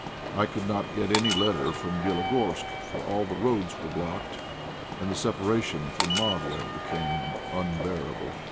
I could not get any letter from Bélogorsk, for all the roads were blocked, and the separation from Marya became unbearable.